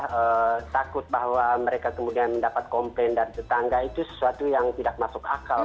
mereka takut bahwa mereka kemudian mendapat komplain dari tetangga itu sesuatu yang tidak masuk akal